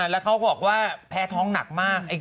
แล้วเขาบอกว่าแพ้ท้องหนักมาก